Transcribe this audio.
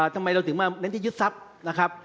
ทำไมเราถึงมาเน้นที่ยึดทรัพย์นะครับ